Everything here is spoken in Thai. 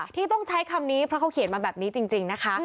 ที่ต้องใช้คำนี้เพราะเขาเขียนมาแบบนี้จริงนะคะ